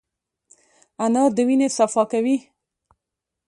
انار د وینې صفا کوي.